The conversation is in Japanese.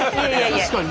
確かに。